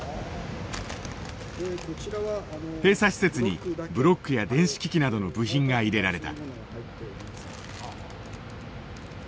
閉鎖施設にブロックや電子機器などの部品が入れられた。